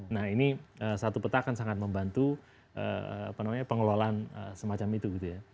nah ini satu peta akan sangat membantu pengelolaan semacam itu gitu ya